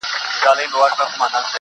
خداى دي كړي خير گراني څه سوي نه وي